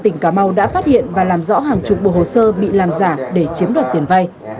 tỉnh cà mau đã phát hiện và làm rõ hàng chục bộ hồ sơ bị làm giả để chiếm đoạt tiền vay